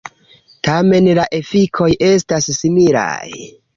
Tamen la efikoj estas similaj.